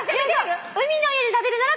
「海の家で食べるなら」